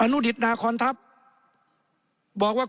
นุดิตนาคอนทัพบอกว่า